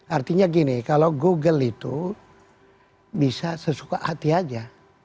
artinya gini kalau google itu bisa sesuka hati aja